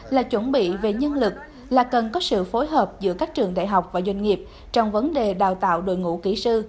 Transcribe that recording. là chuẩn bị về nhân lực là cần có sự phối hợp giữa các trường đại học và doanh nghiệp trong vấn đề đào tạo đội ngũ kỹ sư